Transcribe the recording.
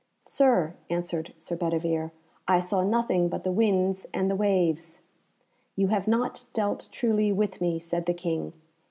"Sir," answered Sir Bedivere. "I saw nothing but the winds and the waves." "You have not dealt truly with me," said the King.